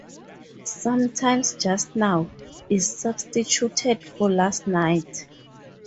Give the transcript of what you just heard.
Sometimes "Just now" is substituted for "last night".